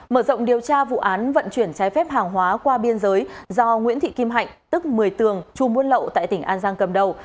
mở rộng điều tra vụ án vận chuyển trái phép hàng hóa qua biên giới do nguyễn thị kim hạnh tức một mươi tường trù muôn lậu tại tỉnh an giang cầm đầu